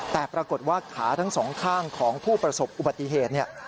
แต่ปรากฏว่าขาทั้งสองข้างของผู้ประสบอุบัติเหตุเนี่ย